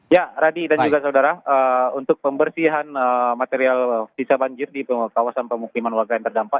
ya radi dan juga saudara untuk pembersihan material visa banjir di kawasan pemukiman warga yang terdampak